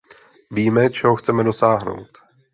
Víme, čeho chceme dosáhnout.